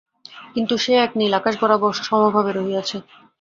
কিন্তু সেই এক নীল আকাশ বরাবর সমভাবে রহিয়াছে।